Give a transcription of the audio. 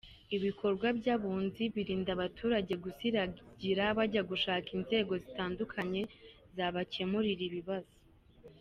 Ibikorwa by’abunzi birinda abaturage gusiragira bajya gushaka inzego zitandukanye zabakemurira ibibazo.